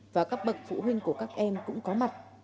và các bậc phụ huynh của các em cũng có mặt